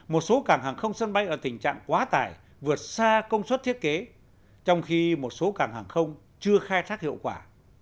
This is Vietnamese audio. một số cảng hàng không sân bay ở tình trạng quá tải vượt xa công suất thiết kế trong khi một số cảng hàng không chưa khai thác hiệu quả